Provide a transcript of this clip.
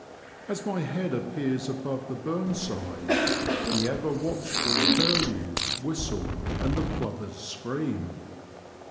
As my head appears above the burn side, the ever watchful curlews whistle and the plovers scream.